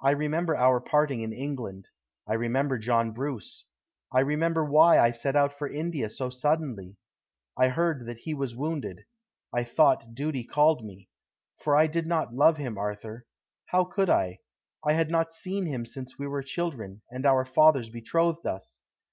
I remember our parting in England; I remember John Bruce; I remember why I set out for India so suddenly. I heard that he was wounded. I thought duty called me. For I did not love him, Arthur. How could I? I had not seen him since we were children, and our fathers betrothed us.